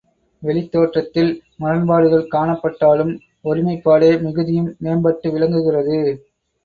வெளித்தோற்றத்தில் முரண்பாடுகள் காணப்பட்டாலும் ஒருமைப்பாடே மிகுதியும் மேம்பட்டு விளங்குகிறது.